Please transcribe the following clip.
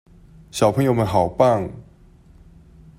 小朋友們好棒！